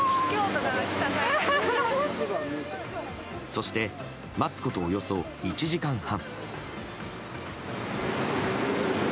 そして待つことおよそ１時間半。